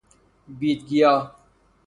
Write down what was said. بید گیا